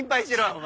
お前。